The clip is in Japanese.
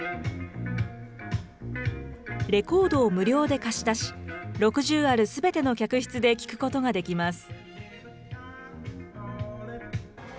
レコードを無料で貸し出し、６０あるすべての客室で聴くことができます。